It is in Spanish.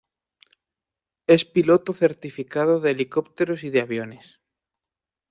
Es piloto certificado de helicópteros y de aviones.